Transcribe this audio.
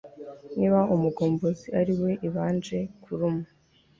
niba umugombozi ari we ibanje kuruma